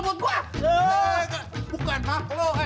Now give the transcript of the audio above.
sobat gua baik baik contrat